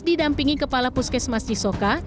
didampingi kepala puskes mas jisoka